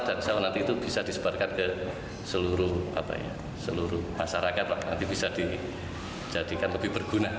dan nanti itu bisa disebarkan ke seluruh masyarakat nanti bisa dijadikan lebih berguna